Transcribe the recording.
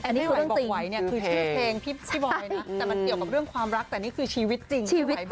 ไม่ไหวบอกไหวเนี่ยคือชื่อเพลงพี่บอยนะแต่มันเกี่ยวกับเรื่องความรักแต่นี่คือชีวิตจริง